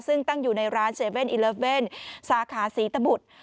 ซึ่งตั้งอยู่ในร้าน๗๑๑สาขาศรีตบุตร